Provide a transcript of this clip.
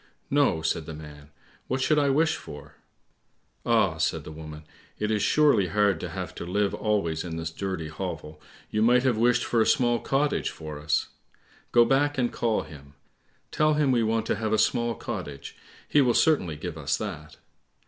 "No," said the man; "what should I wish for?" "Ah," said the woman, "it is surely hard to have to live always in this dirty hovel; you might have wished for a small cottage for us. Go back and call him. Tell him we want to have a small cottage, he will certainly give us that."